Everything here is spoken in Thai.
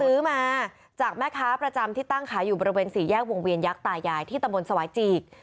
ซื้อมาจากแม่ค้าประจำที่ตั้งขายอยู่บริเวณสี่แยกวงเวียนยักษ์ตายายที่ตำบลสวายจีก